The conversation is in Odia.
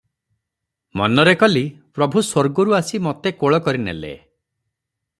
ମନରେ କଲି, ପ୍ରଭୁ ସ୍ୱର୍ଗରୁ ଆସି ମୋତେ କୋଳ କରି ନେଲେ |"